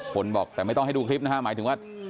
คนบอกแต่ไม่ต้องให้ดูคลิปนะฮะหมายถึงว่า